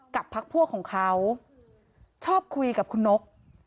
พักพวกของเขาชอบคุยกับคุณนก